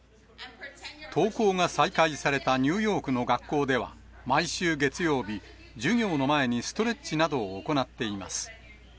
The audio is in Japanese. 登校が再開されたニューヨークの学校では、毎週月曜日、授業の前にストレッチなどを行っています。